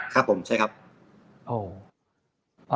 ครับผมใช่ครับ